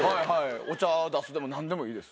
お茶出すでも何でもいいです。